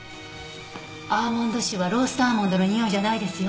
アーモンド臭はローストアーモンドのにおいじゃないですよ。